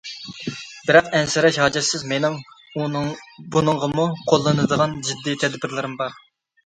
بىراق، ئەنسىرەش ھاجەتسىز، مېنىڭ بۇنىڭغىمۇ قوللىنىدىغان جىددىي تەدبىرلىرىم بار.